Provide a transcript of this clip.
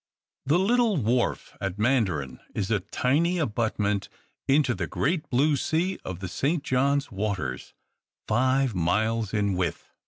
The little wharf at Mandarin is a tiny abutment into the great blue sea of the St. John's waters, five miles in width.